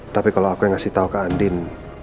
tapi kalau aku yang ngasih tahu ke andin